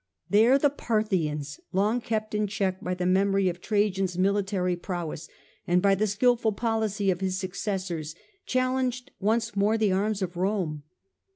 There the Parthians, long kept in check was most by the memory of Trajams military prowess, pressing. ^Yiq skilful policy of his successors, challenged once more the arms of Rome.